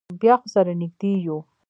بیا خو سره نږدې یو.